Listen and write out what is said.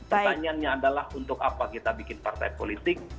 pertanyaannya adalah untuk apa kita bikin partai politik